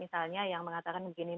misalnya yang mengatakan begini